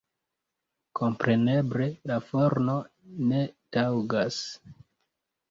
Kompreneble la forno ne taŭgas.